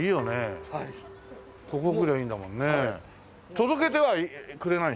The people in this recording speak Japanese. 届けてはくれないでしょ？